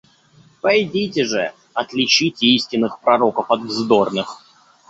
Пойдите же, отличите истинных пророков от вздорных.